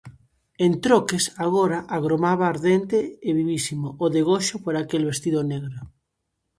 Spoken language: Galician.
En troques, agora agromaba ardente e vivísimo o degoxo por aquel vestido negro.